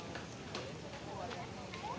สวัสดีครับทุกคน